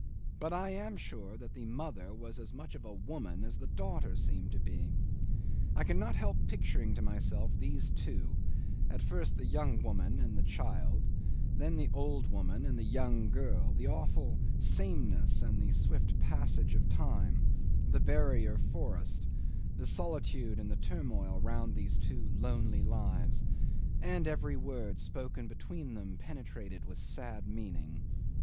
But I am sure that the mother was as much of a woman as the daughter seemed to be. I cannot help picturing to myself these two, at first the young woman and the child, then the old woman and the young girl, the awful sameness and the swift passage of time, the barrier of forest, the solitude and the turmoil round these two lonely lives, and every word spoken between them penetrated with sad meaning.